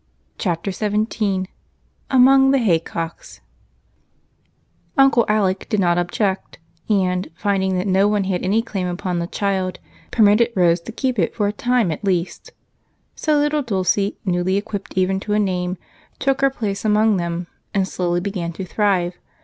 Chapter 17 AMONG THE HAYCOCKS Uncle Alec did not object and, finding that no one had any claim upon the child, permitted Rose to keep it for a time at least. So little Dulce, newly equipped even to a name, took her place among them and slowly began to thrive.